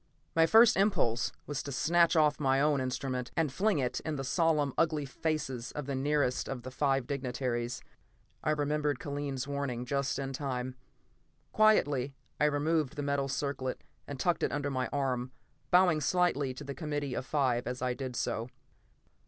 My first impulse was to snatch off my own instrument and fling it in the solemn, ugly faces of the nearest of the five dignataries; I remembered Kellen's warning just in time. Quietly, I removed the metal circlet and tucked it under my arm, bowing slightly to the committee of five as I did so.